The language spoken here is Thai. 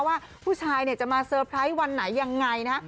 ว่าผู้ชายจะมาเซอร์พไรส์วันไหนอย่างไรนะ